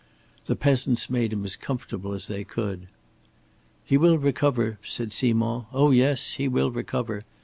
The peasants made him as comfortable as they could. "He will recover," said Simond. "Oh yes, he will recover.